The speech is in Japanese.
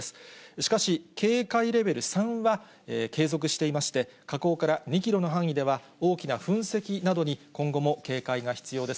しかし、警戒レベル３は継続していまして、火口から２キロの範囲では、大きな噴石などに今後も警戒が必要です。